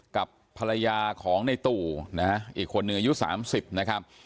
กับภรรยาของนายตู่อีกคนนึงในยุค๓๐นะครับ